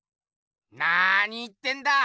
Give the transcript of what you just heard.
なーに言ってんだ！